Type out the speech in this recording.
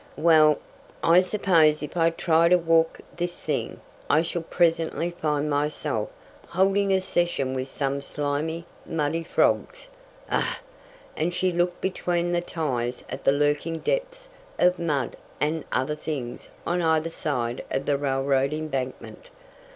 "Well, I suppose if I try to walk this thing I shall presently find myself holding a session with some slimy, muddy frogs. Ugh!" and she looked between the ties at the lurking depths of mud and other things on either side of the railroad embankment.